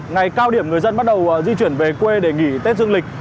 ngày cao điểm người dân bắt đầu di chuyển về quê để nghỉ tết dương lịch